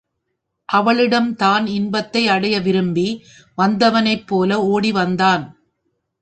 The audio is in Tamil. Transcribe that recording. அவளிடம் தான் இன்பத்தை அடைய விரும்பி வந்தவனைப் போல ஒடி வந்தான்.